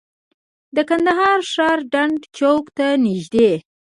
د کندهار ښار ډنډ چوک ته نږدې.